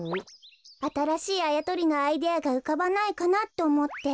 あたらしいあやとりのアイデアがうかばないかなっておもって。